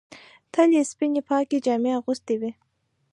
تل یې سپینې پاکې جامې اغوستې وې.